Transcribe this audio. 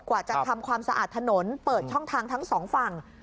กว่าจะทำความสะอาดถนนเปิดช่องทางทั้งสองฝั่ง